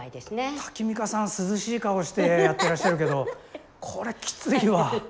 タキミカさん涼しい顔してやってらっしゃるけどこれきついわ。